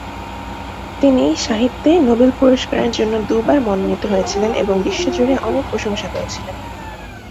তিনি সাহিত্যে নোবেল পুরস্কারের জন্য দুবার মনোনীত হয়েছিলেন এবং বিশ্বজুড়ে অনেক প্রশংসা পেয়েছিলেন।